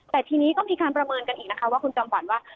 แต่ทีนี้ก็มีการประเมินกันอีกนะคะว่าคุณจำขวัญว่า